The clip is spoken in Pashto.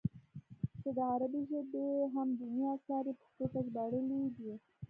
چې د عربي ژبې اهم ديني اثار ئې پښتو ته ژباړلي دي